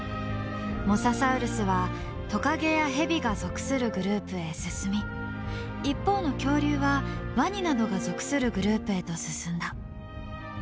モササウルスはトカゲやヘビが属するグループへ進み一方の恐竜はワニなどが属するグループへと進んだ。